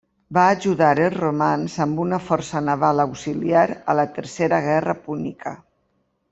Va ajudar els romans amb una força naval auxiliar a la tercera guerra púnica.